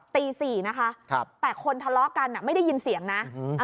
ตี๔นะคะแต่คนทะเลาะกันไม่ได้ยินเสียงนะ